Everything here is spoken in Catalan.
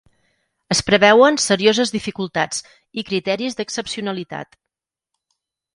Es preveuen serioses dificultats’ i ‘criteris d’excepcionalitat’